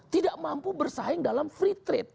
tidak mampu bersaing dalam free trade